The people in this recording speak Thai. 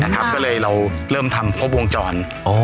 ก็เลยเราเริ่มทำครบวงจร